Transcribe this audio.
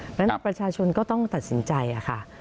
เพราะฉะนั้นประชาชนก็ต้องตัดสินใจค่ะ